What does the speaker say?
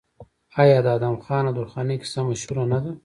آیا د ادم خان او درخانۍ کیسه مشهوره نه ده؟